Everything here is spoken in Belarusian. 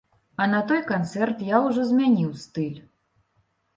А на той канцэрт я ўжо змяніў стыль.